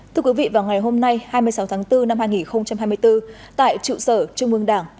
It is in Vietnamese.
thưa quý vị vào ngày hôm nay hai mươi sáu tháng bốn năm hai nghìn hai mươi bốn tại trụ sở trung ương đảng